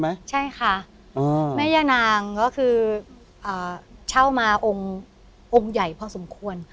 ใช่ค่ะแม่ย่านางก็คืออ่าเช่ามาองค์องค์ใหญ่พอสมควร